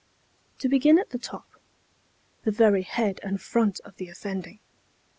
To begin at the top, "the very head and front of the offending."